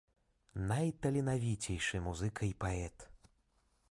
Найталенавіцейшы музыка і паэт.